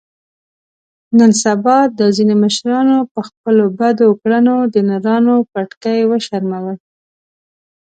نن سبا دا ځنې مشرانو په خپلو بدو کړنو د نرانو پټکي و شرمول.